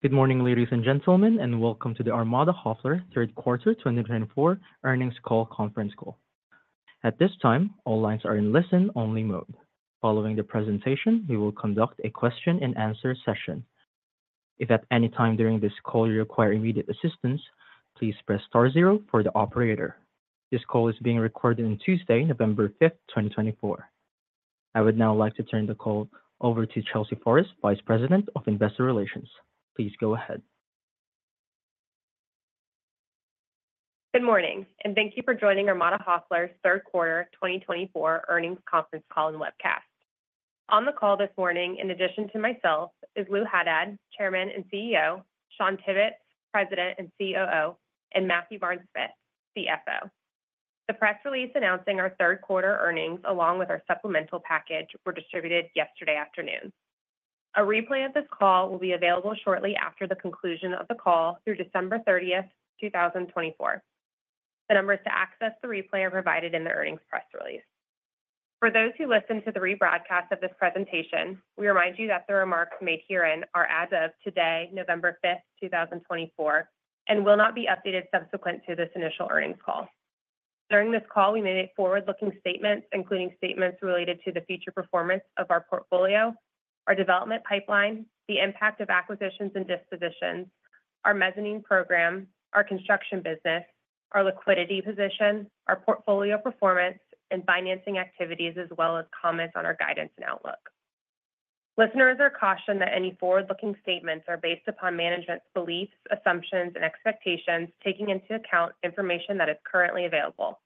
Good morning, ladies and gentlemen, and welcome to the Armada Hoffler 3rd Quarter 2024 earnings call conference call. At this time, all lines are in listen-only mode. Following the presentation, we will conduct a question-and-answer session. If at any time during this call you require immediate assistance, please press star zero for the operator. This call is being recorded on Tuesday, November 5th, 2024. I would now like to turn the call over to Chelsea Forrest, Vice President of Investor Relations. Please go ahead. Good morning, and thank you for joining Armada Hoffler's 3rd Quarter 2024 earnings conference call and webcast. On the call this morning, in addition to myself, is Lou Haddad, Chairman and CEO, Shawn Tibbetts, President and COO, and Matthew Barnes-Smith, CFO. The press release announcing our third quarter earnings, along with our supplemental package, were distributed yesterday afternoon. A replay of this call will be available shortly after the conclusion of the call through December 30th, 2024. The numbers to access the replay are provided in the earnings press release. For those who listen to the rebroadcast of this presentation, we remind you that the remarks made herein are as of today, November 5th, 2024, and will not be updated subsequent to this initial earnings call. During this call, we made forward-looking statements, including statements related to the future performance of our portfolio, our development pipeline, the impact of acquisitions and dispositions, our mezzanine program, our construction business, our liquidity position, our portfolio performance, and financing activities, as well as comments on our guidance and outlook. Listeners are cautioned that any forward-looking statements are based upon management's beliefs, assumptions, and expectations, taking into account information that is currently available.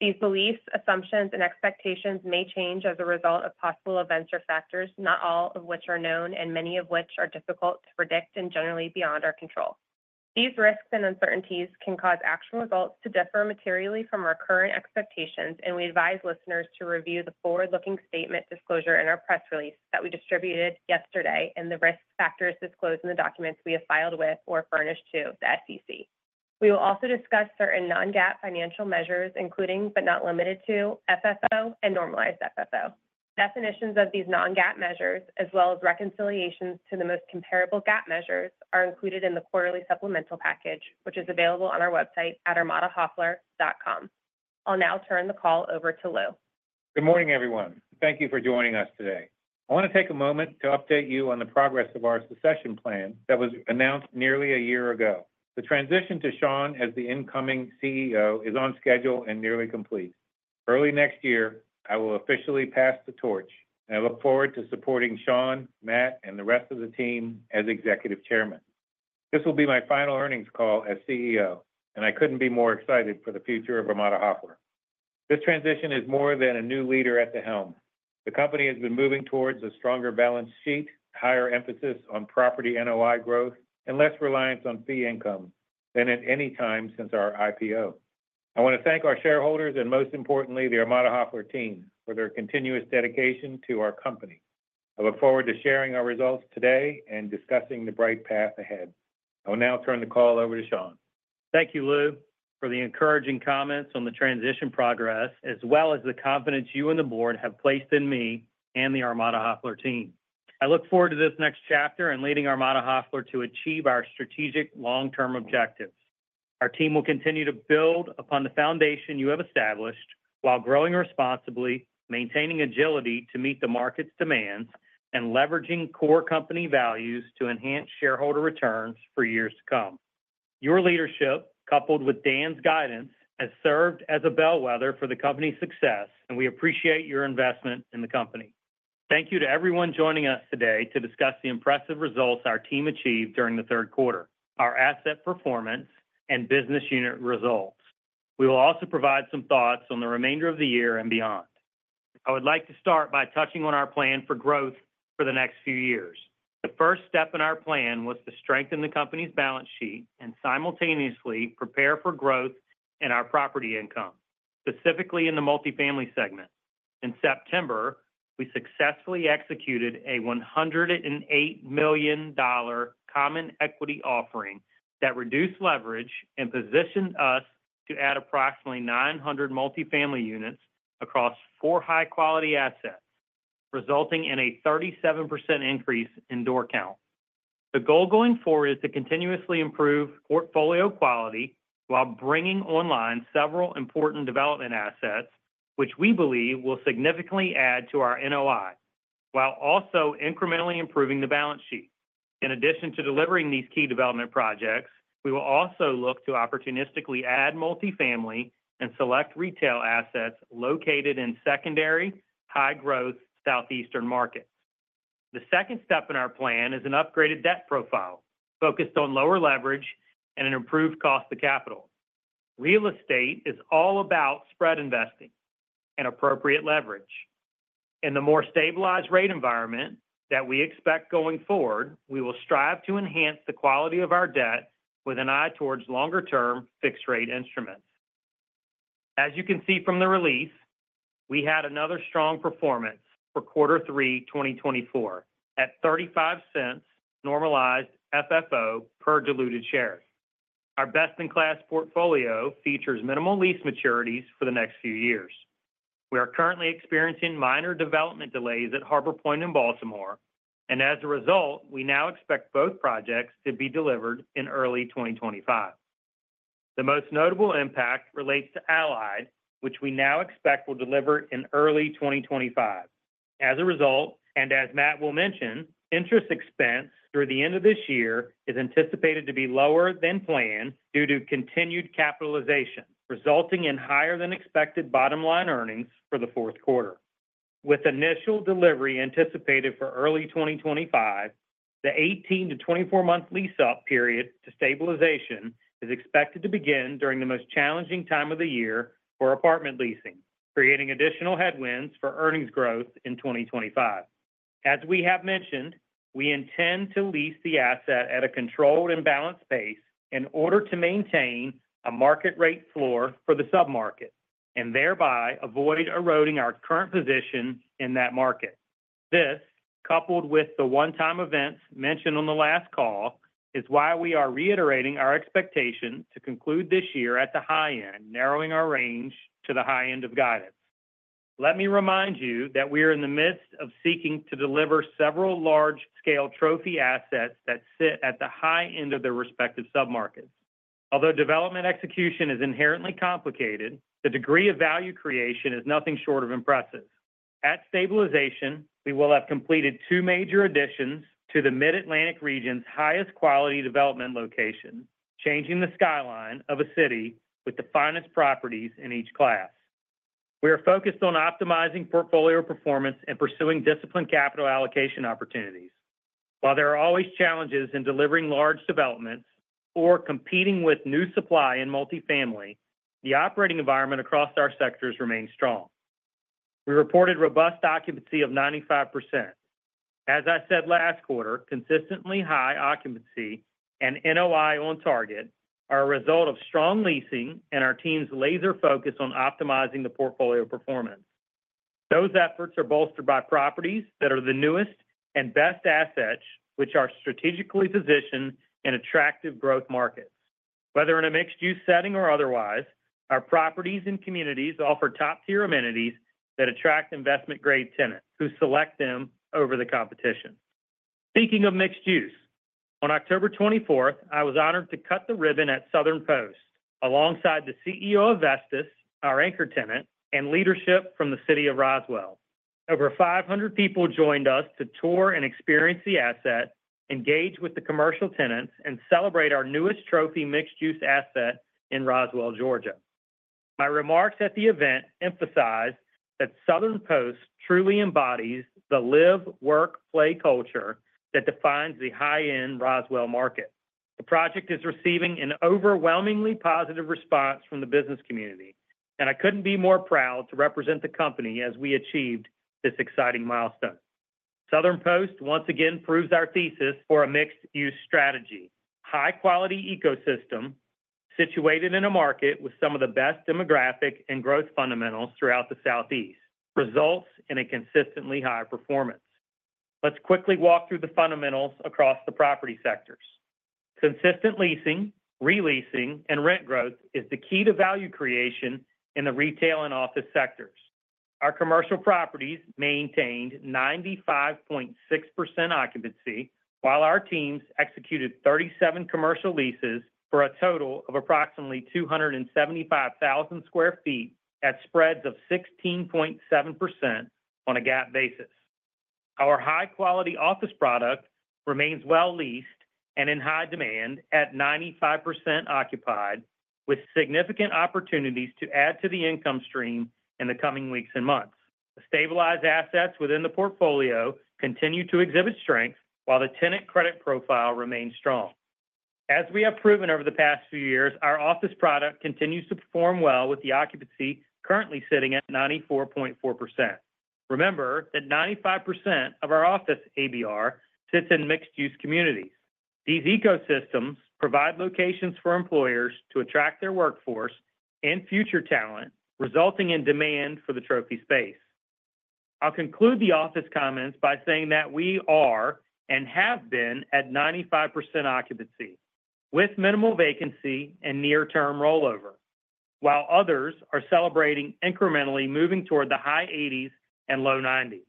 These beliefs, assumptions, and expectations may change as a result of possible events or factors, not all of which are known and many of which are difficult to predict and generally beyond our control. These risks and uncertainties can cause actual results to differ materially from our current expectations, and we advise listeners to review the forward-looking statement disclosure in our press release that we distributed yesterday and the risk factors disclosed in the documents we have filed with or furnished to the SEC. We will also discuss certain non-GAAP financial measures, including but not limited to FFO and normalized FFO. Definitions of these non-GAAP measures, as well as reconciliations to the most comparable GAAP measures, are included in the quarterly supplemental package, which is available on our website at armadahoffler.com. I'll now turn the call over to Lou. Good morning, everyone. Thank you for joining us today. I want to take a moment to update you on the progress of our succession plan that was announced nearly a year ago. The transition to Shawn as the incoming CEO is on schedule and nearly complete. Early next year, I will officially pass the torch, and I look forward to supporting Shawn, Matt, and the rest of the team as Executive Chairman. This will be my final earnings call as CEO, and I couldn't be more excited for the future of Armada Hoffler. This transition is more than a new leader at the helm. The company has been moving towards a stronger balance sheet, higher emphasis on property NOI growth, and less reliance on fee income than at any time since our IPO. I want to thank our shareholders and, most importantly, the Armada Hoffler team for their continuous dedication to our company. I look forward to sharing our results today and discussing the bright path ahead. I will now turn the call over to Shawn. Thank you, Lou, for the encouraging comments on the transition progress, as well as the confidence you and the board have placed in me and the Armada Hoffler team. I look forward to this next chapter in leading Armada Hoffler to achieve our strategic long-term objectives. Our team will continue to build upon the foundation you have established while growing responsibly, maintaining agility to meet the market's demands, and leveraging core company values to enhance shareholder returns for years to come. Your leadership, coupled with Dan's guidance, has served as a bellwether for the company's success, and we appreciate your investment in the company. Thank you to everyone joining us today to discuss the impressive results our team achieved during the third quarter, our asset performance, and business unit results. We will also provide some thoughts on the remainder of the year and beyond. I would like to start by touching on our plan for growth for the next few years. The first step in our plan was to strengthen the company's balance sheet and simultaneously prepare for growth in our property income, specifically in the multifamily segment. In September, we successfully executed a $108 million common equity offering that reduced leverage and positioned us to add approximately 900 multifamily units across four high-quality assets, resulting in a 37% increase in door count. The goal going forward is to continuously improve portfolio quality while bringing online several important development assets, which we believe will significantly add to our NOI, while also incrementally improving the balance sheet. In addition to delivering these key development projects, we will also look to opportunistically add multifamily and select retail assets located in secondary high-growth southeastern markets. The second step in our plan is an upgraded debt profile focused on lower leverage and an improved cost of capital. Real estate is all about spread investing and appropriate leverage. In the more stabilized rate environment that we expect going forward, we will strive to enhance the quality of our debt with an eye towards longer-term fixed-rate instruments. As you can see from the release, we had another strong performance for Quarter 3, 2024, at $0.35 normalized FFO per diluted share. Our best-in-class portfolio features minimal lease maturities for the next few years. We are currently experiencing minor development delays at Harbor Point in Baltimore, and as a result, we now expect both projects to be delivered in early 2025. The most notable impact relates to Allied, which we now expect will deliver in early 2025. As a result, and as Matt will mention, interest expense through the end of this year is anticipated to be lower than planned due to continued capitalization, resulting in higher-than-expected bottom-line earnings for the fourth quarter. With initial delivery anticipated for early 2025, the 18-24-month lease-up period to stabilization is expected to begin during the most challenging time of the year for apartment leasing, creating additional headwinds for earnings growth in 2025. As we have mentioned, we intend to lease the asset at a controlled and balanced pace in order to maintain a market-rate floor for the sub-market and thereby avoid eroding our current position in that market. This, coupled with the one-time events mentioned on the last call, is why we are reiterating our expectation to conclude this year at the high end, narrowing our range to the high end of guidance. Let me remind you that we are in the midst of seeking to deliver several large-scale trophy assets that sit at the high end of their respective sub-markets. Although development execution is inherently complicated, the degree of value creation is nothing short of impressive. At stabilization, we will have completed two major additions to the Mid-Atlantic region's highest-quality development location, changing the skyline of a city with the finest properties in each class. We are focused on optimizing portfolio performance and pursuing disciplined capital allocation opportunities. While there are always challenges in delivering large developments or competing with new supply in multifamily, the operating environment across our sectors remains strong. We reported robust occupancy of 95%. As I said last quarter, consistently high occupancy and NOI on target are a result of strong leasing and our team's laser focus on optimizing the portfolio performance. Those efforts are bolstered by properties that are the newest and best assets, which are strategically positioned in attractive growth markets. Whether in a mixed-use setting or otherwise, our properties and communities offer top-tier amenities that attract investment-grade tenants who select them over the competition. Speaking of mixed-use, on October 24th, I was honored to cut the ribbon at Southern Post alongside the CEO of Vestas, our anchor tenant, and leadership from the City of Roswell. Over 500 people joined us to tour and experience the asset, engage with the commercial tenants, and celebrate our newest trophy mixed-use asset in Roswell, Georgia. My remarks at the event emphasized that Southern Post truly embodies the live, work, play culture that defines the high-end Roswell market. The project is receiving an overwhelmingly positive response from the business community, and I couldn't be more proud to represent the company as we achieved this exciting milestone. Southern Post once again proves our thesis for a mixed-use strategy. High-quality ecosystem situated in a market with some of the best demographic and growth fundamentals throughout the Southeast results in a consistently high performance. Let's quickly walk through the fundamentals across the property sectors. Consistent leasing, re-leasing, and rent growth is the key to value creation in the retail and office sectors. Our commercial properties maintained 95.6% occupancy, while our teams executed 37 commercial leases for a total of approximately 275,000 sq ft at spreads of 16.7% on a GAAP basis. Our high-quality office product remains well-leased and in high demand at 95% occupied, with significant opportunities to add to the income stream in the coming weeks and months. The stabilized assets within the portfolio continue to exhibit strength, while the tenant credit profile remains strong. As we have proven over the past few years, our office product continues to perform well with the occupancy currently sitting at 94.4%. Remember that 95% of our office ABR sits in mixed-use communities. These ecosystems provide locations for employers to attract their workforce and future talent, resulting in demand for the trophy space. I'll conclude the office comments by saying that we are and have been at 95% occupancy, with minimal vacancy and near-term rollover, while others are celebrating incrementally moving toward the high 80s and low 90s.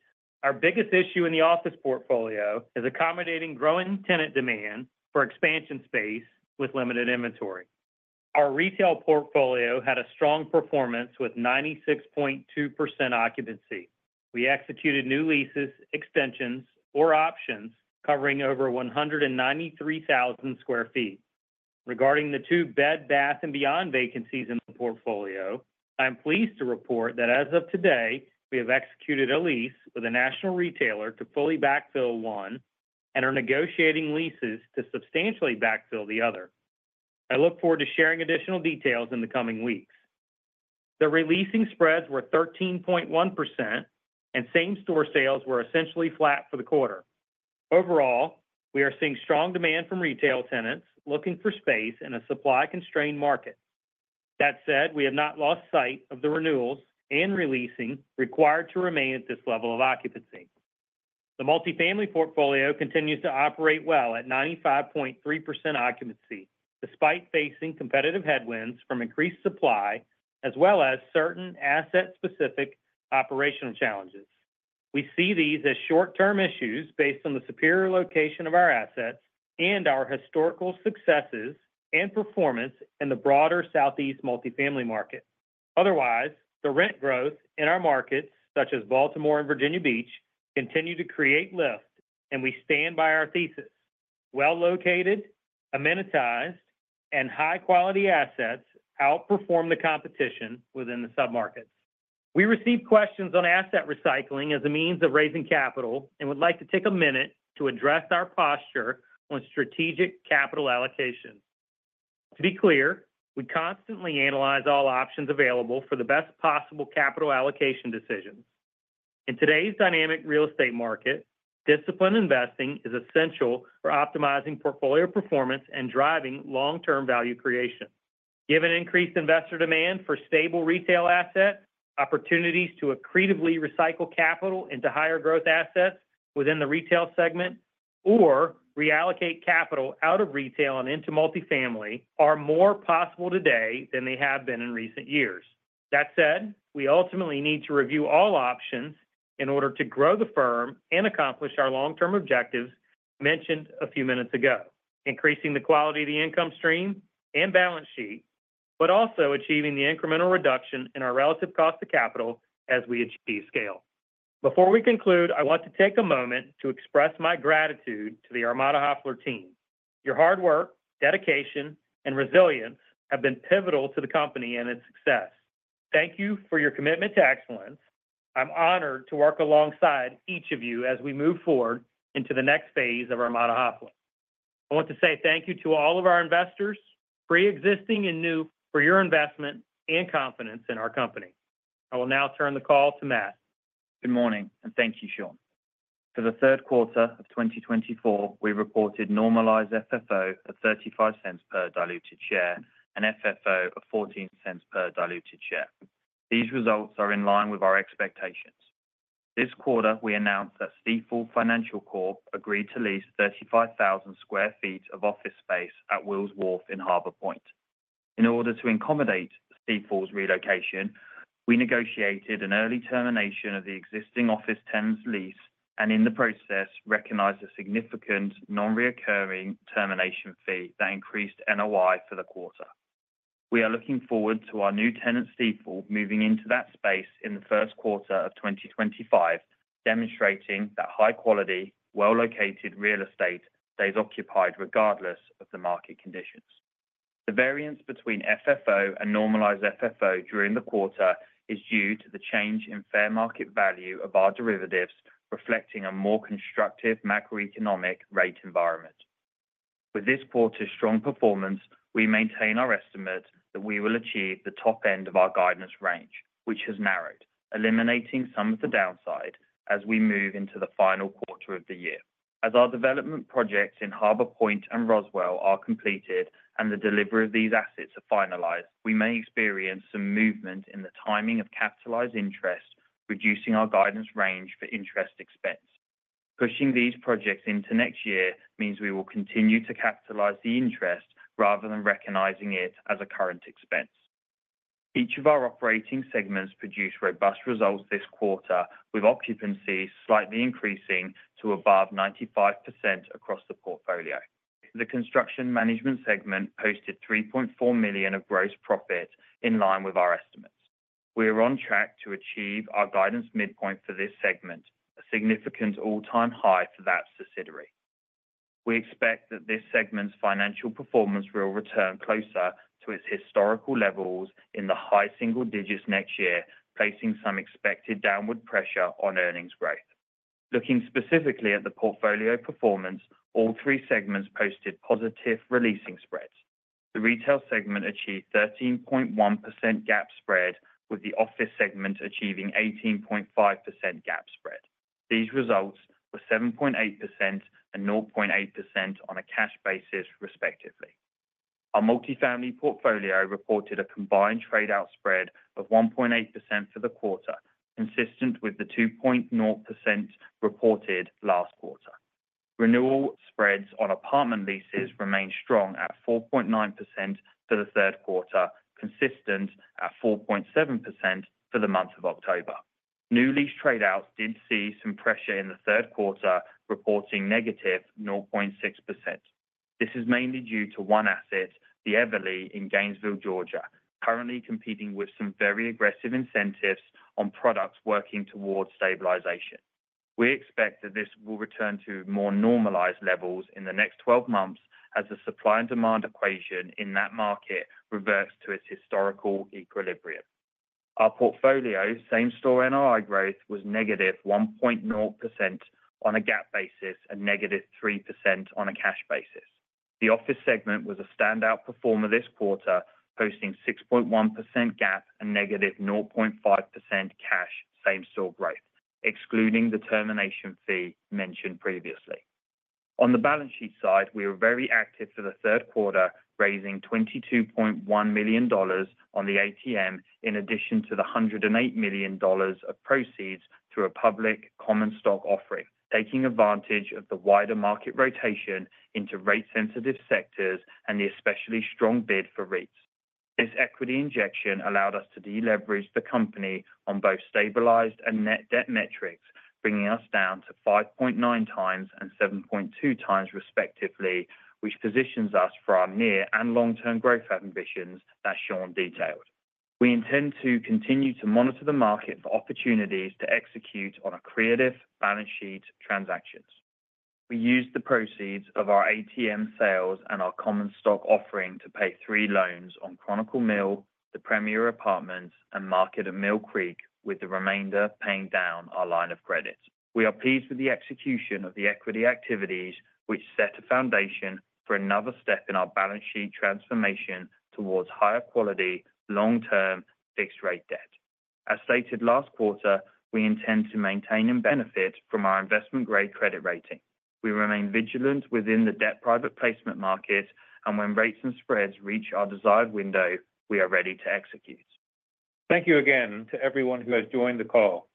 Our biggest issue in the office portfolio is accommodating growing tenant demand for expansion space with limited inventory. Our retail portfolio had a strong performance with 96.2% occupancy. We executed new leases, extensions, or options covering over 193,000 sq ft. Regarding the two Bed Bath & Beyond vacancies in the portfolio, I'm pleased to report that as of today, we have executed a lease with a national retailer to fully backfill one and are negotiating leases to substantially backfill the other. I look forward to sharing additional details in the coming weeks. The releasing spreads were 13.1%, and same-store sales were essentially flat for the quarter. Overall, we are seeing strong demand from retail tenants looking for space in a supply-constrained market. That said, we have not lost sight of the renewals and re-leasing required to remain at this level of occupancy. The multifamily portfolio continues to operate well at 95.3% occupancy despite facing competitive headwinds from increased supply, as well as certain asset-specific operational challenges. We see these as short-term issues based on the superior location of our assets and our historical successes and performance in the broader Southeast multifamily market. Otherwise, the rent growth in our markets, such as Baltimore and Virginia Beach, continues to create lift, and we stand by our thesis. Well-located, amenitized, and high-quality assets outperform the competition within the sub-markets. We received questions on asset recycling as a means of raising capital and would like to take a minute to address our posture on strategic capital allocation. To be clear, we constantly analyze all options available for the best possible capital allocation decisions. In today's dynamic real estate market, disciplined investing is essential for optimizing portfolio performance and driving long-term value creation. Given increased investor demand for stable retail assets, opportunities to accretively recycle capital into higher-growth assets within the retail segment or reallocate capital out of retail and into multifamily are more possible today than they have been in recent years. That said, we ultimately need to review all options in order to grow the firm and accomplish our long-term objectives mentioned a few minutes ago, increasing the quality of the income stream and balance sheet, but also achieving the incremental reduction in our relative cost of capital as we achieve scale. Before we conclude, I want to take a moment to express my gratitude to the Armada Hoffler team. Your hard work, dedication, and resilience have been pivotal to the company and its success. Thank you for your commitment to excellence. I'm honored to work alongside each of you as we move forward into the next phase of Armada Hoffler. I want to say thank you to all of our investors, pre-existing and new, for your investment and confidence in our company. I will now turn the call to Matt. Good morning, and thank you, Shawn. For the third quarter of 2024, we reported normalized FFO of $0.35 per diluted share and FFO of $0.14 per diluted share. These results are in line with our expectations. This quarter, we announced that Stifel Financial Corp. agreed to lease 35,000 sq ft of office space at Wills Wharf in Harbor Point. In order to accommodate Stifel's relocation, we negotiated an early termination of the existing office tenant's lease and, in the process, recognized a significant non-recurring termination fee that increased NOI for the quarter. We are looking forward to our new tenant Stifel moving into that space in the first quarter of 2025, demonstrating that high-quality, well-located real estate stays occupied regardless of the market conditions. The variance between FFO and normalized FFO during the quarter is due to the change in fair market value of our derivatives, reflecting a more constructive macroeconomic rate environment. With this quarter's strong performance, we maintain our estimate that we will achieve the top end of our guidance range, which has narrowed, eliminating some of the downside as we move into the final quarter of the year. As our development projects in Harbor Point and Roswell are completed and the delivery of these assets are finalized, we may experience some movement in the timing of capitalized interest, reducing our guidance range for interest expense. Pushing these projects into next year means we will continue to capitalize the interest rather than recognizing it as a current expense. Each of our operating segments produced robust results this quarter, with occupancy slightly increasing to above 95% across the portfolio. The construction management segment posted $3.4 million of gross profit in line with our estimates. We are on track to achieve our guidance midpoint for this segment, a significant all-time high for that subsidiary. We expect that this segment's financial performance will return closer to its historical levels in the high single digits next year, placing some expected downward pressure on earnings growth. Looking specifically at the portfolio performance, all three segments posted positive releasing spreads. The retail segment achieved 13.1% GAAP spread, with the office segment achieving 18.5% GAAP spread. These results were 7.8% and 0.8% on a cash basis, respectively. Our multifamily portfolio reported a combined tradeout spread of 1.8% for the quarter, consistent with the 2.0% reported last quarter. Renewal spreads on apartment leases remained strong at 4.9% for the third quarter, consistent at 4.7% for the month of October. New lease tradeouts did see some pressure in the third quarter, reporting negative 0.6%. This is mainly due to one asset, The Everly in Gainesville, Georgia, currently competing with some very aggressive incentives on products working toward stabilization. We expect that this will return to more normalized levels in the next 12 months as the supply and demand equation in that market reverts to its historical equilibrium. Our portfolio same-store NOI growth was negative 1.0% on a GAAP basis and negative 3% on a cash basis. The office segment was a standout performer this quarter, posting 6.1% GAAP and negative 0.5% cash same-store growth, excluding the termination fee mentioned previously. On the balance sheet side, we were very active for the third quarter, raising $22.1 million on the ATM in addition to the $108 million of proceeds through a public common stock offering, taking advantage of the wider market rotation into rate-sensitive sectors and the especially strong bid for REITs. This equity injection allowed us to deleverage the company on both stabilized and net debt metrics, bringing us down to 5.9x and 7.2x, respectively, which positions us for our near and long-term growth ambitions that Shawn detailed. We intend to continue to monitor the market for opportunities to execute on accretive balance sheet transactions. We used the proceeds of our ATM sales and our common stock offering to pay three loans on Chronicle Mill, the Premier Apartments, and Market at Mill Creek, with the remainder paying down our line of credit. We are pleased with the execution of the equity activities, which set a foundation for another step in our balance sheet transformation towards higher quality, long-term fixed-rate debt. As stated last quarter, we intend to maintain and benefit from our investment-grade credit rating. We remain vigilant within the debt private placement market, and when rates and spreads reach our desired window, we are ready to execute. Thank you again to everyone who has joined the call.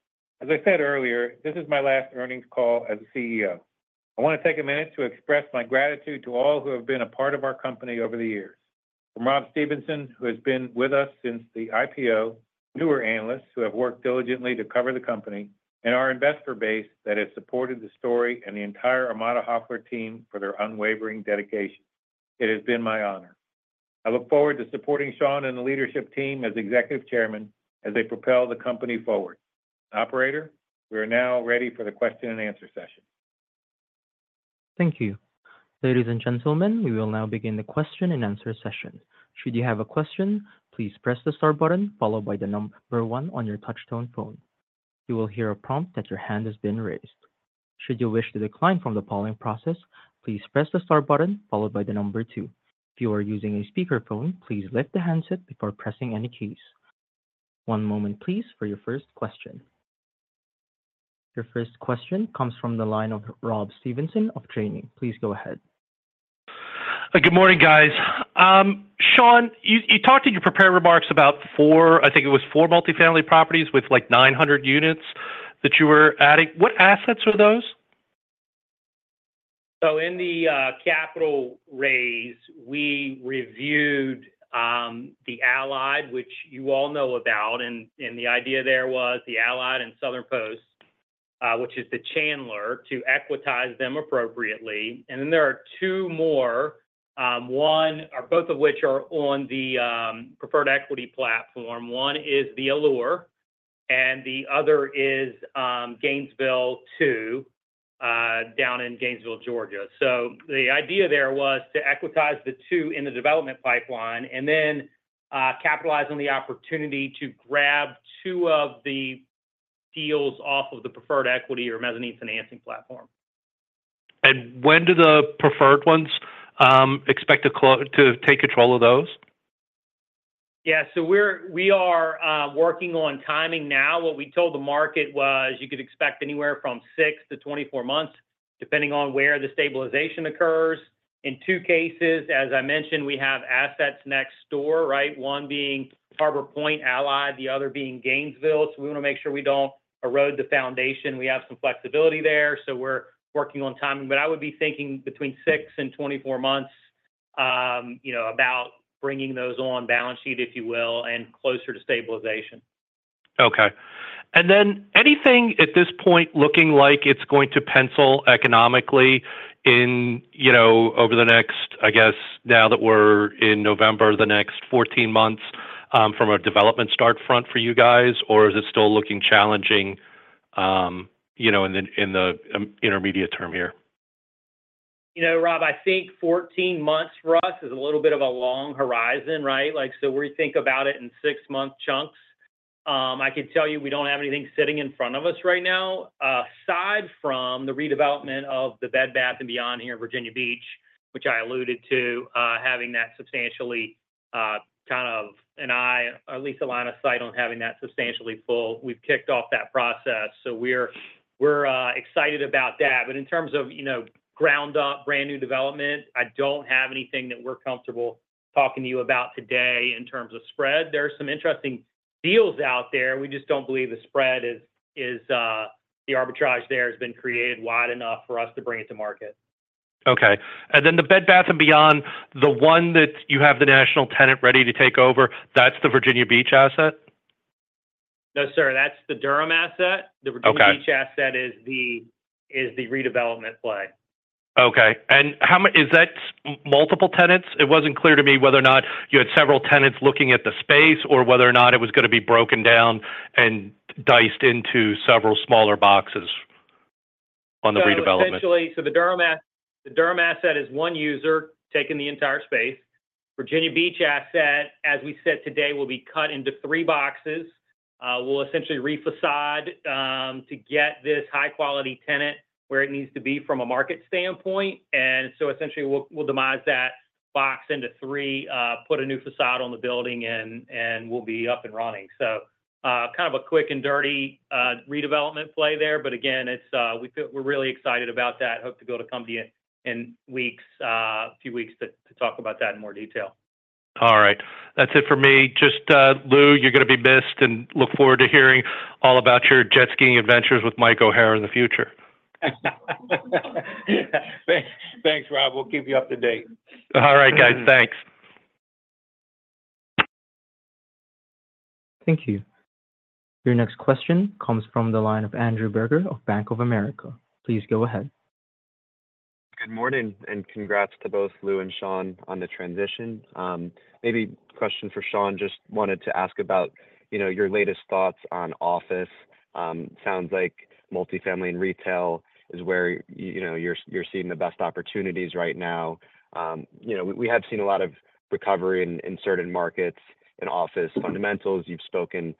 As I said earlier, this is my last earnings call as a CEO. I want to take a minute to express my gratitude to all who have been a part of our company over the years. From Rob Stevenson, who has been with us since the IPO, to our analysts who have worked diligently to cover the company, and our investor base that has supported the story and the entire Armada Hoffler team for their unwavering dedication, it has been my honor. I look forward to supporting Shawn and the leadership team as executive chairman as they propel the company forward. Operator, we are now ready for the question and answer session. Thank you. Ladies and gentlemen, we will now begin the question and answer session. Should you have a question, please press the star button followed by the number one on your touch-tone phone. You will hear a prompt that your hand has been raised. Should you wish to decline from the polling process, please press the star button followed by the number two. If you are using a speakerphone, please lift the handset before pressing any keys. One moment, please, for your first question. Your first question comes from the line of Rob Stevenson of Janney. Please go ahead. Good morning, guys. Shawn, you talked in your prepared remarks about four, I think it was four multifamily properties with like 900 units that you were adding. What assets are those? So in the capital raise, we reviewed the Allied, which you all know about, and the idea there was the Allied and Southern Post, which is the Chandler, to equitize them appropriately. And then there are two more, both of which are on the preferred equity platform. One is the Allure, and the other is Gainesville II down in Gainesville, Georgia. The idea there was to equitize the two in the development pipeline and then capitalize on the opportunity to grab two of the deals off of the preferred equity or mezzanine financing platform. And when do the preferred ones expect to take control of those? Yeah. We are working on timing now. What we told the market was you could expect anywhere from 6 to 24 months, depending on where the stabilization occurs. In two cases, as I mentioned, we have assets next door, right? One being Harbor Point Allied, the other being Gainesville. We want to make sure we don't erode the foundation. We have some flexibility there. We're working on timing. I would be thinking between 6 and 24 months about bringing those on balance sheet, if you will, and closer to stabilization. Okay. And then anything at this point looking like it's going to pencil economically over the next, I guess, now that we're in November, the next 14 months from a development start front for you guys, or is it still looking challenging in the intermediate term here? You know, Rob, I think 14 months for us is a little bit of a long horizon, right? So we think about it in six-month chunks. I can tell you we don't have anything sitting in front of us right now, aside from the redevelopment of the Bed Bath & Beyond here in Virginia Beach, which I alluded to having that substantially kind of an eye, at least a line of sight on having that substantially full. We've kicked off that process. So we're excited about that. But in terms of ground-up brand new development, I don't have anything that we're comfortable talking to you about today in terms of spread. There are some interesting deals out there. We just don't believe the spread is the arbitrage there has been created wide enough for us to bring it to market. Okay. And then the Bed Bath & Beyond, the one that you have the national tenant ready to take over, that's the Virginia Beach asset? No, sir. That's the Durham asset. The Virginia Beach asset is the redevelopment play. Okay. And is that multiple tenants? It wasn't clear to me whether or not you had several tenants looking at the space or whether or not it was going to be broken down and diced into several smaller boxes on the redevelopment. So the Durham asset is one user taking the entire space. Virginia Beach asset, as we said today, will be cut into three boxes. We'll essentially refaçade to get this high-quality tenant where it needs to be from a market standpoint. And so essentially, we'll divide that box into three, put a new façade on the building, and we'll be up and running. So kind of a quick and dirty redevelopment play there. But again, we're really excited about that. Hope to be able to come to you in a few weeks to talk about that in more detail. All right. That's it for me. Just Lou, you're going to be missed and look forward to hearing all about your jet skiing adventures with Mike O'Hara in the future. Thanks, Rob. We'll keep you up to date. All right, guys. Thanks. Thank you. Your next question comes from the line of Andrew Berger of Bank of America. Please go ahead. Good morning and congrats to both Lou and Shawn on the transition. Maybe question for Shawn, just wanted to ask about your latest thoughts on office. Sounds like multifamily and retail is where you're seeing the best opportunities right now. We have seen a lot of recovery in certain markets in office. Fundamentals, you've spoken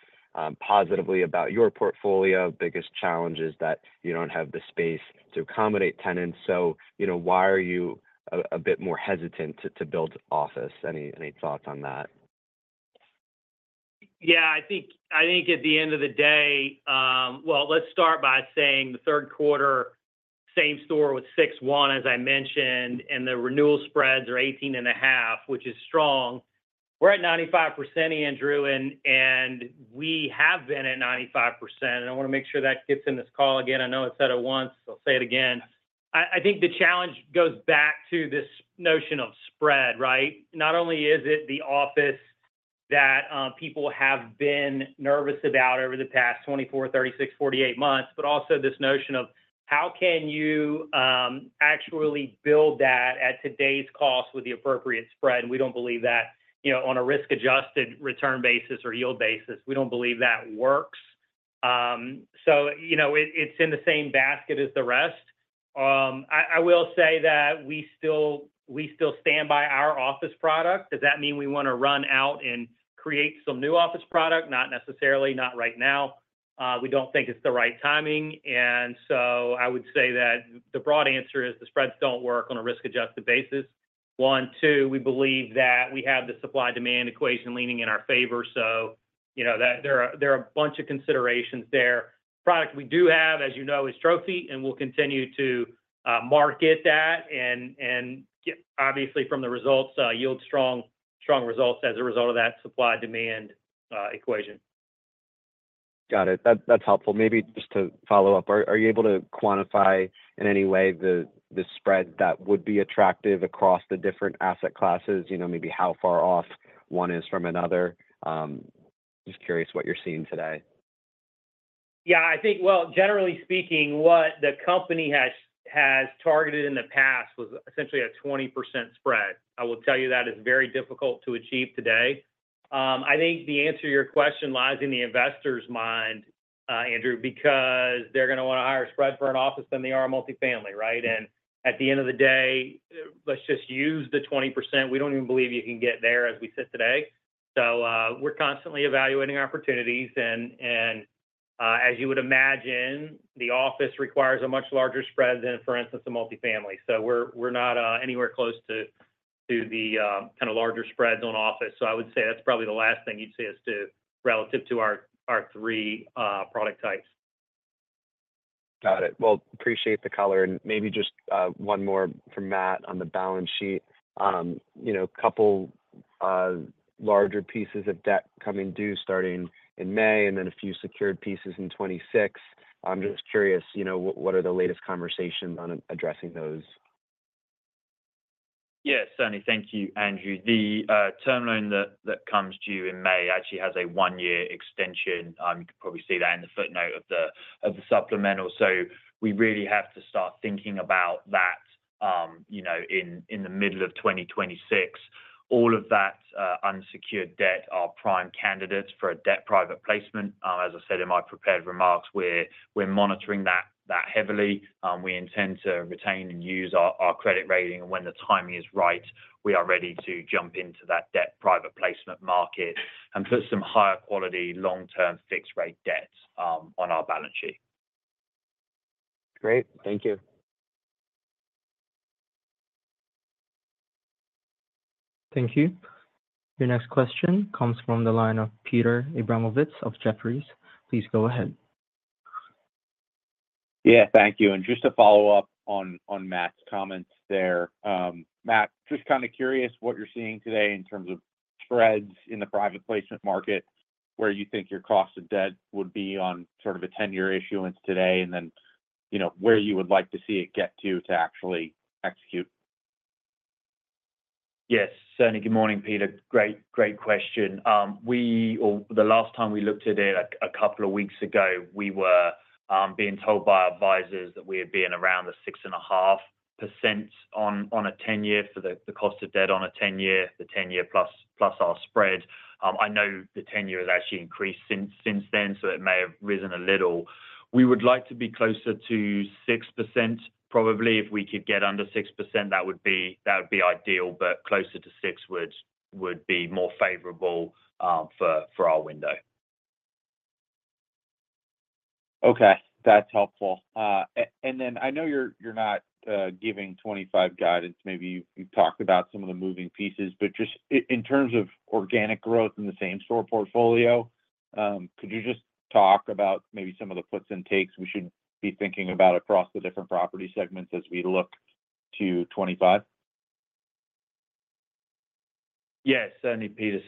positively about your portfolio. Biggest challenge is that you don't have the space to accommodate tenants. So why are you a bit more hesitant to build office? Any thoughts on that? Yeah. I think at the end of the day, well, let's start by saying the third quarter, same-store with 6.1%, as I mentioned, and the renewal spreads are 18.5%, which is strong. We're at 95%, Andrew, and we have been at 95%. And I want to make sure that gets in this call again. I know I said it once. I'll say it again. I think the challenge goes back to this notion of spread, right? Not only is it the office that people have been nervous about over the past 24, 36, 48 months, but also this notion of how can you actually build that at today's cost with the appropriate spread? And we don't believe that on a risk-adjusted return basis or yield basis. We don't believe that works. So it's in the same basket as the rest. I will say that we still stand by our office product. Does that mean we want to run out and create some new office product? Not necessarily. Not right now. We don't think it's the right timing. And so I would say that the broad answer is the spreads don't work on a risk-adjusted basis. One, two, we believe that we have the supply-demand equation leaning in our favor. So there are a bunch of considerations there. The product we do have, as you know, is Trophy, and we'll continue to market that. And obviously, from the results, yield strong results as a result of that supply-demand equation. Got it. That's helpful. Maybe just to follow up, are you able to quantify in any way the spread that would be attractive across the different asset classes, maybe how far off one is from another? Just curious what you're seeing today. Yeah. I think, well, generally speaking, what the company has targeted in the past was essentially a 20% spread. I will tell you that is very difficult to achieve today. I think the answer to your question lies in the investor's mind, Andrew, because they're going to want a higher spread for an office than they are a multifamily, right? And at the end of the day, let's just use the 20%. We don't even believe you can get there as we sit today. So we're constantly evaluating opportunities. And as you would imagine, the office requires a much larger spread than, for instance, a multifamily. So we're not anywhere close to the kind of larger spreads on office. So I would say that's probably the last thing you'd see as to relative to our three product types. Got it. Well, appreciate the color. And maybe just one more from Matt on the balance sheet. A couple larger pieces of debt coming due starting in May and then a few secured pieces in 2026. I'm just curious, what are the latest conversations on addressing those? Yes, Sonny, thank you, Andrew. The term loan that comes due in May actually has a one-year extension. You can probably see that in the footnote of the supplemental. So we really have to start thinking about that in the middle of 2026. All of that unsecured debt are prime candidates for a debt private placement. As I said in my prepared remarks, we're monitoring that heavily. We intend to retain and use our credit rating. And when the timing is right, we are ready to jump into that debt private placement market and put some higher quality long-term fixed-rate debt on our balance sheet. Great. Thank you. Thank you. Your next question comes from the line of Peter Abramovich of Jefferies. Please go ahead. Yeah. Thank you. And just to follow up on Matt's comments there, Matt, just kind of curious what you're seeing today in terms of spreads in the private placement market, where you think your cost of debt would be on sort of a 10-year issuance today, and then where you would like to see it get to to actually execute? Yes. Sonny, good morning, Peter. Great question. The last time we looked at it a couple of weeks ago, we were being told by advisors that we had been around the 6.5% on a 10-year for the cost of debt on a 10-year, the 10-year plus our spread. I know the 10-year has actually increased since then, so it may have risen a little. We would like to be closer to 6%. Probably if we could get under 6%, that would be ideal, but closer to 6% would be more favorable for our window. Okay. That's helpful. And then I know you're not giving 25 guidance. Maybe you've talked about some of the moving pieces, but just in terms of organic growth in the same store portfolio, could you just talk about maybe some of the puts and takes we should be thinking about across the different property segments as we look to 25? Yes, Sonny, Peter.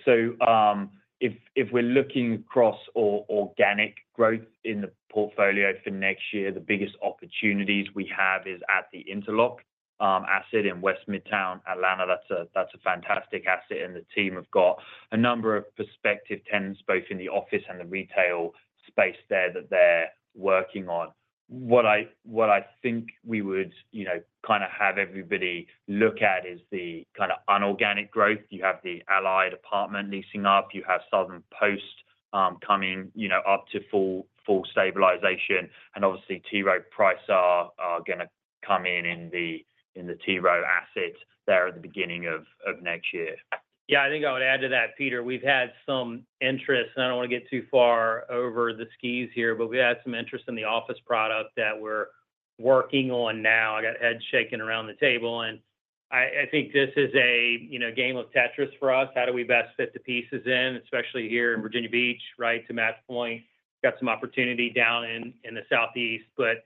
So if we're looking across organic growth in the portfolio for next year, the biggest opportunities we have is at The Interlock asset in West Midtown Atlanta. That's a fantastic asset. And the team have got a number of prospective tenants, both in the office and the retail space there that they're working on. What I think we would kind of have everybody look at is the kind of inorganic growth. You have the Allied apartments leasing up. You have Southern Post coming up to full stabilization. And obviously, T. Rowe Price is going to come in in the T. Rowe asset there at the beginning of next year. Yeah. I think I would add to that, Peter. We have had some interest, and I do not want to get too far over the skis here, but we have had some interest in the office product that we are working on now. I got heads shaking around the table. I think this is a game of Tetris for us. How do we best fit the pieces in, especially here in Virginia Beach, right, to Matt's point? We got some opportunity down in the southeast. But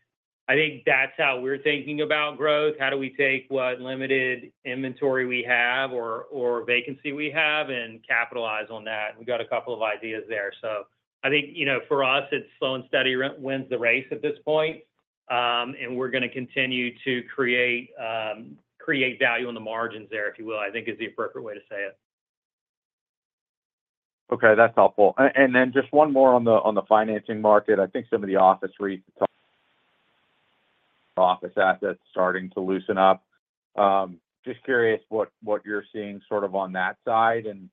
I think that is how we are thinking about growth. How do we take what limited inventory we have or vacancy we have and capitalize on that? We've got a couple of ideas there. So I think for us, it's slow and steady wins the race at this point, and we're going to continue to create value on the margins there, if you will. I think is the appropriate way to say it. Okay. That's helpful, and then just one more on the financing market. I think some of the office retail office assets starting to loosen up. Just curious what you're seeing sort of on that side and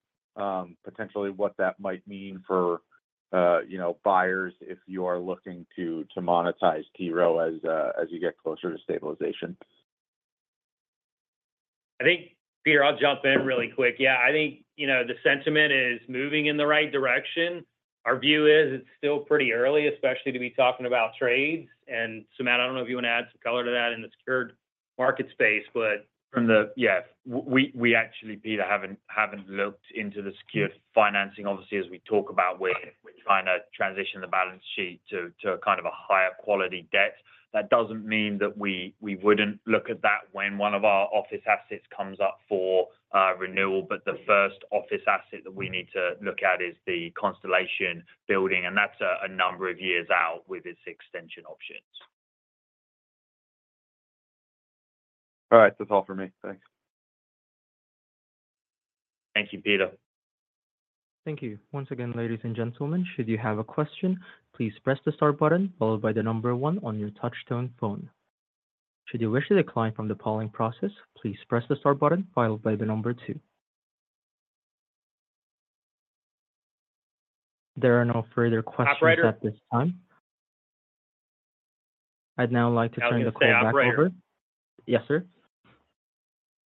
potentially what that might mean for buyers if you are looking to monetize T. Rowe as you get closer to stabilization. I think, Peter, I'll jump in really quick. Yeah. I think the sentiment is moving in the right direction. Our view is it's still pretty early, especially to be talking about trades, and So, Matt, I don't know if you want to add some color to that in the secured market space, but yes, we actually, Peter, haven't looked into the secured financing, obviously, as we talk about where we're trying to transition the balance sheet to kind of a higher quality debt. That doesn't mean that we wouldn't look at that when one of our office assets comes up for renewal, but the first office asset that we need to look at is the Constellation Building, and that's a number of years out with its extension options. All right. That's all for me. Thanks. Thank you, Peter. Thank you. Once again, ladies and gentlemen, should you have a question, please press the star button followed by the number one on your touch-tone phone. Should you wish to decline from the polling process, please press the start button followed by the number two. There are no further questions at this time. I'd now like to turn the call back over. Yes, sir.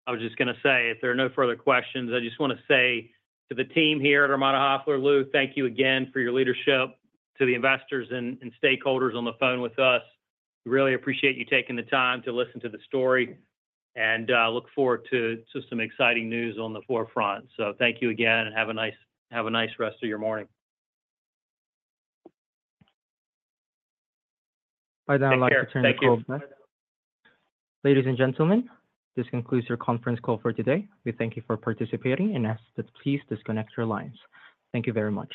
I was just going to say, if there are no further questions, I just want to say to the team here at Armada Hoffler, Lou, thank you again for your leadership to the investors and stakeholders on the phone with us. We really appreciate you taking the time to listen to the story and look forward to some exciting news on the forefront. So thank you again and have a nice rest of your morning. I'd now like to turn the call back. Ladies and gentlemen, this concludes our conference call for today. We thank you for participating and ask that please disconnect your lines. Thank you very much.